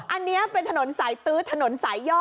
อันนี้เป็นถนนสายตื้อถนนสายย่อ